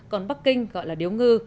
còn bắc kinh gọi là điếu ngư